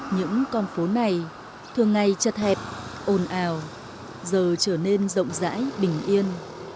những con phố này thường ngày chật hẹp ồn ào giờ trở nên rộng rãi bình yên